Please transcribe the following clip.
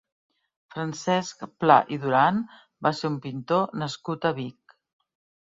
Francesc Pla i Duran va ser un pintor nascut a Vic.